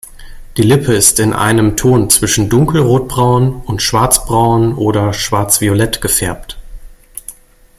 Die Lippe ist in einem Ton zwischen dunkelrotbraun und schwarzbraun oder schwarz-violett gefärbt.